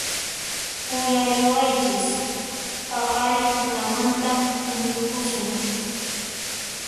¡Uyariwaychis! ¡Paqarin tutamantan huñukusun!